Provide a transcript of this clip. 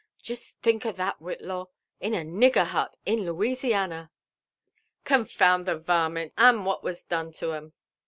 Just think of that, Whitlaw, in a nigger hut in Louisiana!" "Confound the varmint! — and what was done to 'em?"